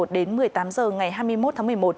đến một mươi tám h ngày hai mươi một tháng một mươi một